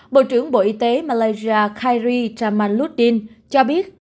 bộ trưởng bộ y tế malaysia khairi ramaloudin cho biết